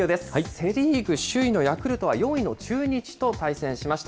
セ・リーグ首位のヤクルトは４位の中日と対戦しました。